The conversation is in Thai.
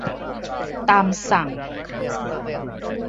ตามสั่ง